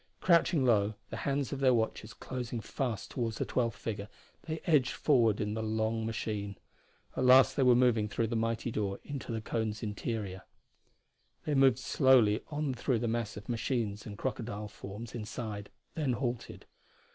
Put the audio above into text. Crouching low, the hands of their watches closing fast toward the twelfth figure, they edged forward in the long machine. At last they were moving through the mighty door, into the cone's interior. They moved slowly on through the mass of machines and crocodile forms inside, then halted.